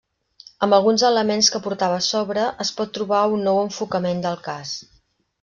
Amb alguns elements que portava a sobre, es pot trobar un nou enfocament del cas.